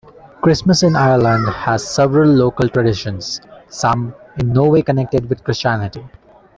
Christmas in Ireland has several local traditions, some in no way connected with Christianity.